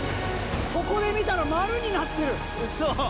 ここで見たら丸になってるうそっ？